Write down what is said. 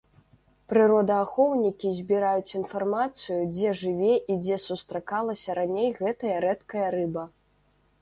Прыродаахоўнікі збіраюць інфармацыю, дзе жыве і дзе сустракалася раней гэтая рэдкая рыба.